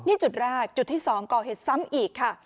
นี่จุดแรกจุดที่๒ก่อเหตุซ้ำอีกค่ะ